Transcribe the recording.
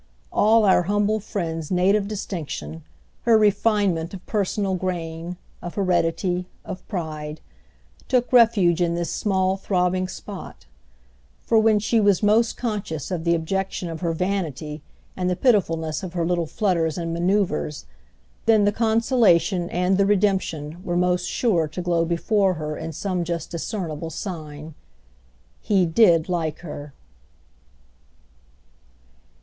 All our humble friend's native distinction, her refinement of personal grain, of heredity, of pride, took refuge in this small throbbing spot; for when she was most conscious of the objection of her vanity and the pitifulness of her little flutters and manoeuvres, then the consolation and the redemption were most sure to glow before her in some just discernible sign. He did like her!